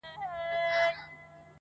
هوسۍ ولاړه يوې ليري كنډوالې ته٫